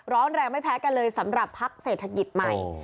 ร้อนแรงไม่แพ้กันเลยสำหรับพักเศรษฐกิจใหม่